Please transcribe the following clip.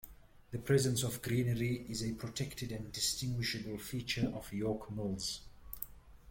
The presence of greenery is a protected and distinguishable feature of York Mills.